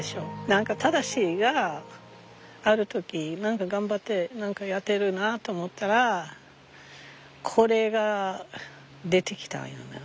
何か正がある時何か頑張って何かやってるなと思ったらこれが出てきたんよな。